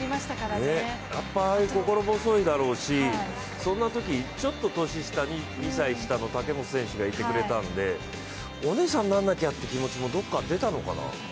やっぱ心細いだろうし、そんなとき、ちょっと年下、２歳下の武本選手がいてくれたんでお姉さんにならなきゃっていう気持ちもどこか出たのかな。